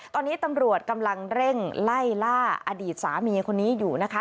ตอนนี้ตำรวจกำลังเร่งไล่ล่าอดีตสามีคนนี้อยู่นะคะ